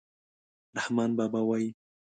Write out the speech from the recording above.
رحمان بابا وایي: